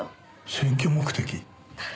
選挙目的？